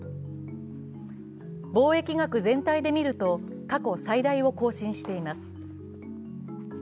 貿易額全体で見ると、過去最大を更新しています。